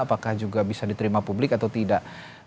apakah juga bisa diterima publik atau tidak